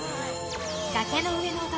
崖の上の男